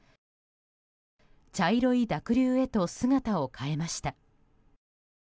茶色い濁流へと姿を変えました。